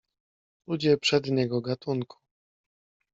"Ludzie przedniego gatunku!"